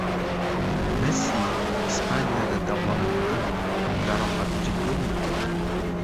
Messi Ispaniyada davolanadi. Jarohat jiddiymi?